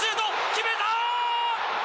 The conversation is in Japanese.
決めた！